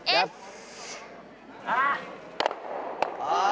あ！